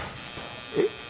えっ？